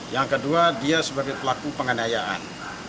yang kedua dia sebagai pelaku penganiayaan